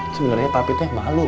sebenernya papi malu